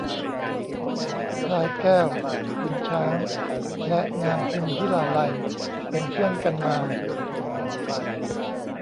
พลายแก้ว ขุนช้าง และนางพิมพิลาไลยเป็นเพื่อนกันมา